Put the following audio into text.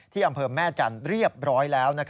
อำเภอแม่จันทร์เรียบร้อยแล้ว